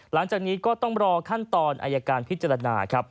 หลังจากนี้ก็ต้องรอขั้นตอนอายการพิจารณาครับ